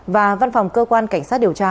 và văn phòng cơ quan cảnh sát điều tra